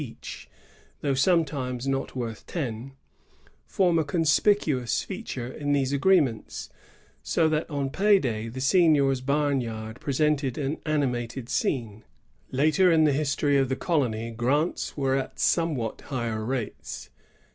each, tihough sometimes not worth ten, form a con spicuous feature in these agreements ; so that on pay day the seignior's barnyard presented an animated scene. LaSr in the Wstory of the colony grante were at somewhat higher rates.